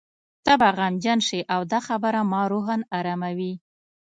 ته به غمجن شې او دا خبره ما روحاً اراموي.